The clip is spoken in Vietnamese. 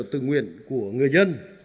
tự nguyện của người dân